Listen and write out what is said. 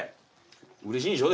うれしいでしょ？